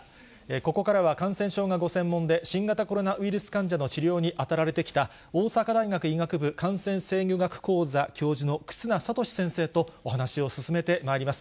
ここからは感染症がご専門で、新型コロナウイルス患者の治療に当たられてきた、大阪大学医学部感染制御学講座教授の忽那賢志先生とお話を進めてまいります。